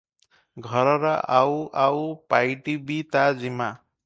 ଘରର ଆଉ ଆଉ ପାଇଟି ବି ତା ଜିମା ।